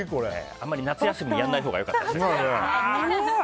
あんまり夏休みやらないほうがよかったですね。